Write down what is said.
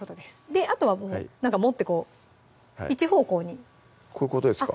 あとはもうなんか持ってこう一方向にこういうことですか？